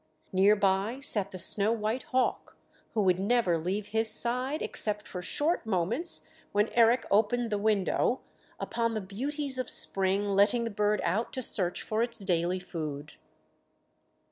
Near by sat the snow white hawk, who would never leave his side except for short moments when Eric opened the window, upon the beauties of spring, letting the bird out to search for its daily food.